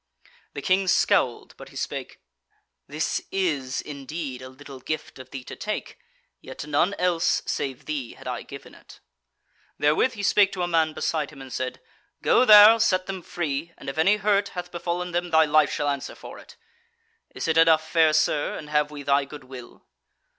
The King scowled, but he spake: "This is indeed a little gift of thee to take; yet to none else save thee had I given it." Therewith he spake to a man beside him and said: "Go thou, set them free, and if any hurt hath befallen them thy life shall answer for it. Is it enough, fair Sir, and have we thy goodwill?"